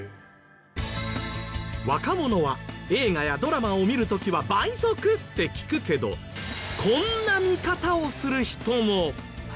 若者は映画やドラマを見る時は倍速って聞くけどこんな見方をする人も。